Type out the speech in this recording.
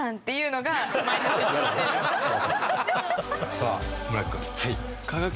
さあ村木君。